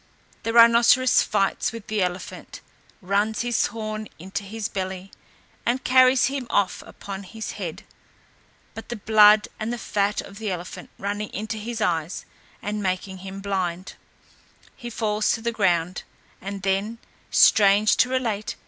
The rhinoceros fights with the elephant, runs his horn into his belly, and carries him off upon his head but the blood and the fat of the elephant running into his eyes, and making him blind, he falls to the ground; and then, strange to relate!